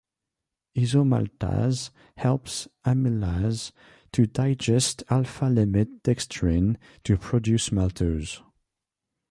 Isomaltase helps amylase to digest alpha-limit dextrin to produce maltose.